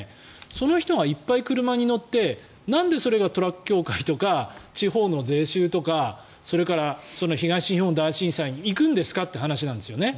その人がいっぱい車に乗ってなんで、それがトラック協会とか地方の税収とかそれから東日本大震災に行くんですかという話なんですよね。